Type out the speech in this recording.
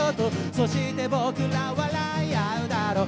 「そしてぼくらは笑い合うだろう」